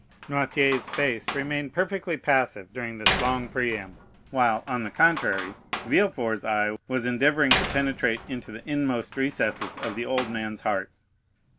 Noirtier's face remained perfectly passive during this long preamble, while, on the contrary, Villefort's eye was endeavoring to penetrate into the inmost recesses of the old man's heart.